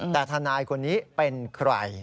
แต่ทนายคนนี้เป็นใคร